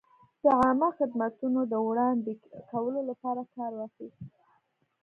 د عامه خدمتونو د وړاندې کولو لپاره کار واخیست.